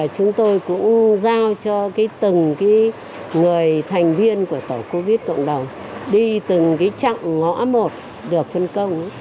chúng tôi cũng giao cho từng người thành viên của tổng covid cộng đồng đi từng chặng ngõ một được phân công